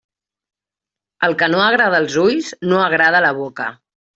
El que no agrada als ulls, no agrada a la boca.